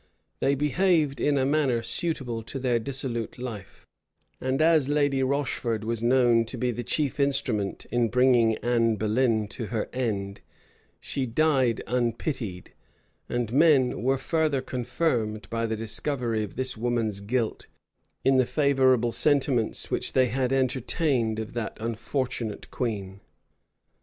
They behaved in a manner suitable to their dissolute life; and as Lady Rocheford was known to be the chief instrument in bringing Anne Boleyn to her end, she died unpitied; and men were further confirmed, by the discovery of this woman's guilt, in the favorable sentiments which they had entertained of that unfortunate queen.